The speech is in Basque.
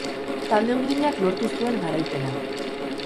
Talde urdinak lortu zuen garaipena.